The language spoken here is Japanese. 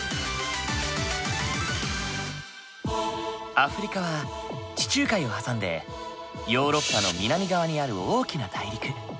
アフリカは地中海を挟んでヨーロッパの南側にある大きな大陸。